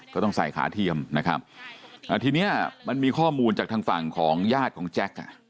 ก็ต้องใส่ขาเทียมนะครับอ่าทีเนี้ยมันมีข้อมูลจากทางฝั่งของญาติของแจ็ค